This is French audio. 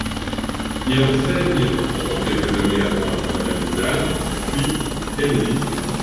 Il enseigne pendant quelques années avant la Première Guerre mondiale puis est mobilisé.